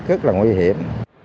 rất là nguy hiểm